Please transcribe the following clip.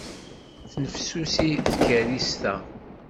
Tennefsusi tkerrist-a.